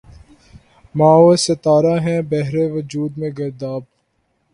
مہ و ستارہ ہیں بحر وجود میں گرداب